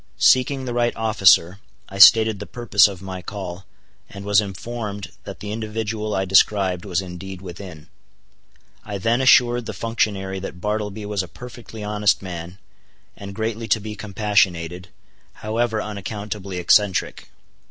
Seeking the right officer, I stated the purpose of my call, and was informed that the individual I described was indeed within. I then assured the functionary that Bartleby was a perfectly honest man, and greatly to be compassionated, however unaccountably eccentric.